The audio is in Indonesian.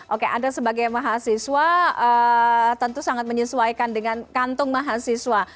oke anda sebagai mahasiswa tentu sangat menyesuaikan dengan kantung mahasiswa